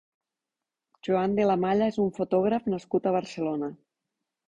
Joan de la Malla és un fotògraf nascut a Barcelona.